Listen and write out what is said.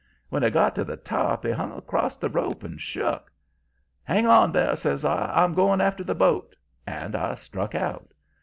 When he got to the top he hung acrost the rope and shook. "'Hang on there!' says I. 'I'm going after the boat.' And I struck out.